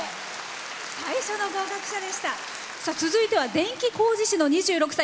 続いては電気工事士の２６歳。